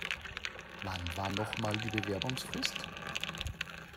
Wann war noch mal die Bewerbungsfrist?